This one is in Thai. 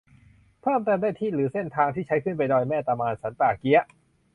เพิ่มเติมได้ที่ หรือ เส้นทางที่ใช้ขึ้นไปดอยแม่ตะมาน สันป่าเกี๊ยะ